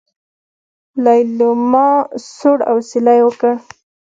ليلما سوړ اسوېلی وکړ.